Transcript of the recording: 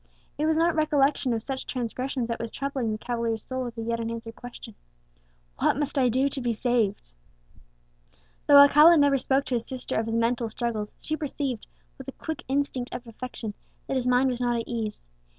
It was not recollection of such transgressions that was troubling the cavalier's soul with the yet unanswered question, "What must I do to be saved?" Though Alcala never spoke to his sister of his mental struggles, she perceived, with the quick instinct of affection, that his mind was not at ease.